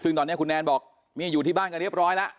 ซึ่งตอนนี้คุณแนนบอกอยู่ที่บ้านกันเรียบร้อยแล้ว